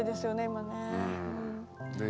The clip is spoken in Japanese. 今ね。